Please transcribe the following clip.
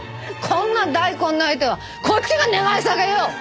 こんな大根の相手はこっちが願い下げよ！